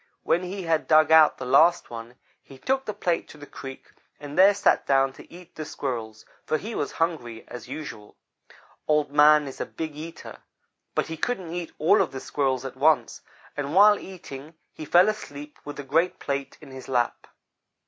When he had dug out the last one, he took the plate to the creek and there sat down to eat the Squirrels, for he was hungry, as usual. Old man is a big eater, but he couldn't eat all of the Squirrels at once, and while eating he fell asleep with the great plate in his lap.